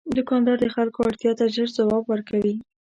دوکاندار د خلکو اړتیا ته ژر ځواب ورکوي.